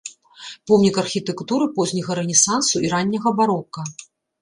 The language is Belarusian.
Помнік архітэктуры позняга рэнесансу і ранняга барока.